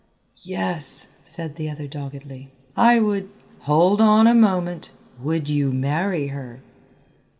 "Yes," said the other doggedly, "I would " "Hold on a moment; would you marry her?"